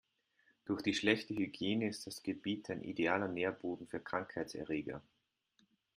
Durch die schlechte Hygiene ist das Gebiet ein idealer Nährboden für Krankheitserreger.